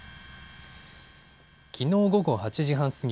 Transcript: きのう午後８時半過ぎ